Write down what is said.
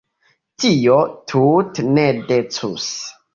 Tio tute ne decus.